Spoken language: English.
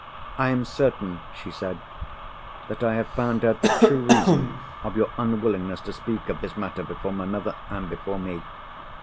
"I am certain," she said, "that I have found out the true reason of your unwillingness to speak of this matter before my mother and before me.